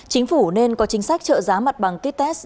chính phủ nên có chính sách trợ giá mặt bằng ký test